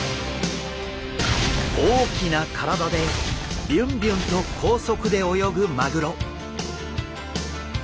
大きな体でビュンビュンと高速で泳ぐマグロ。